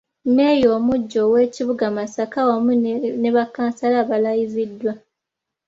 Mmeeya omuggya ow’ekibuga Masaka wamu ne bakkansala balayiziddwa.